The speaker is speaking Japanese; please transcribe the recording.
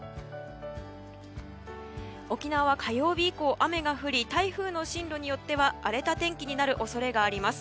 沖縄は火曜日以降雨が降り台風の進路によっては荒れた天気になる恐れがあります。